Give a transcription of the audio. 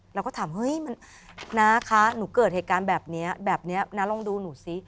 เราก็ถามเฮ้ยมันน้าคะหนูเกิดเหตุการณ์แบบนี้แบบนี้น้าลองดูหนูซิ